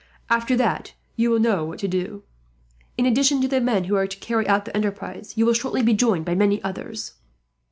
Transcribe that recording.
After that you will know what to do. In addition to the men who are to carry out the enterprise, you will shortly be joined by many others.